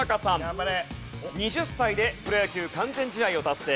２０歳でプロ野球完全試合を達成。